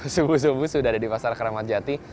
subuh subuh sudah ada di pasar keramat jati